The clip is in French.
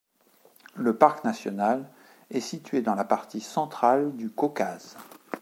Le parc national est situé dans la partie centrale du Caucase.